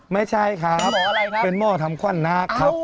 ไม่ใช่ค่ะครับเป็นหมอทำควันนาคครับหมออะไรครับ